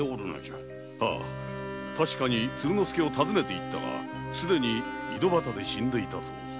「確かに鶴之助を訪ねて行ったがすでに井戸端で死んでいた」と。